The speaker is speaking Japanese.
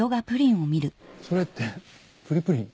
それってプリプリン？